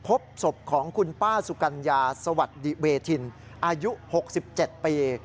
พบศพของคุณป้าสุกัญญาสวัสดีเวทินอายุ๖๗ปี